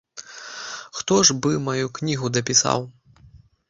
Хто ж бы маю кнігу дапісаў?